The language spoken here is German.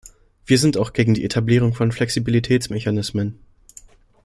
Wir sind auch gegen die Etablierung von Flexibilitätsmechanismen.